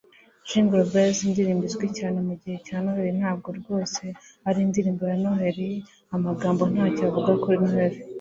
Jingle Bells indirimbo izwi cyane mugihe cya Noheri ntabwo rwose ari indirimbo ya Noheri Amagambo ntacyo avuga kuri Noheri